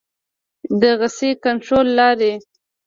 د غصې کنټرول لارې